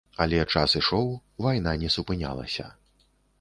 Але час ішоў, вайна не супынялася.